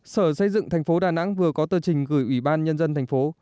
sở xây dựng thành phố đà nẵng vừa có tờ trình gửi ủy ban nhân dân thành phố